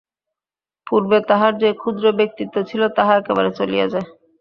পূর্বে তাহার যে ক্ষুদ্র ব্যক্তিত্ব ছিল, তাহা একেবারে চলিয়া যায়।